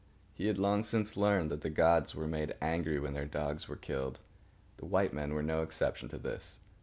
He had long since learned that the gods were made angry when their dogs were killed. The white men were no exception to this.